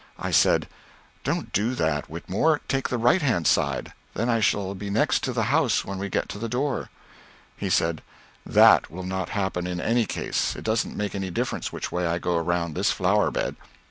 I said, "Don't do that, Whitmore; take the right hand side. Then I shall be next to the house when we get to the door." He said, "That will not happen in any case, it doesn't make any difference which way I go around this flower bed."